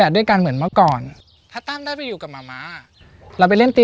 จนถึงวันนี้มาม้ามีเงิน๔ปี